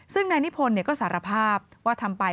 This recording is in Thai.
ซึ่งนายนิพนธ์ก็สารภาพว่าทำไป